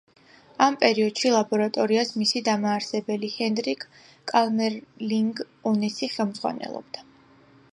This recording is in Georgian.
ამ პერიოდში ლაბორატორიას მისი დამაარსებელი ჰენდრიკ კამერლინგ-ონესი ხელმძღვანელობდა.